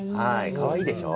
かわいいでしょう？